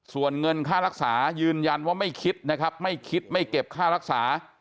ส่วนเงินค่ารักษายืนยันว่าไม่คิดนะครับไม่คิดไม่เก็บค่ารักษา